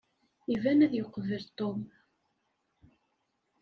Iban ad yeqbel Tom.